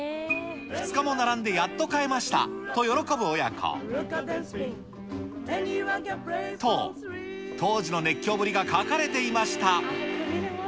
２日も並んでやっと買えましたと喜ぶ親子。と、当時の熱狂ぶりが書かれていました。